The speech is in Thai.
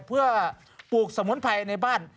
เพื่อปลูกสมุนไพรในบ้าน